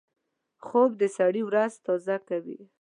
خوب د سړي ورځ تازه کوي